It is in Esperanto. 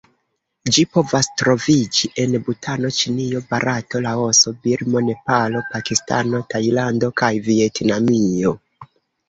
Ĝi povas troviĝi en Butano, Ĉinio, Barato, Laoso, Birmo, Nepalo, Pakistano, Tajlando kaj Vjetnamio.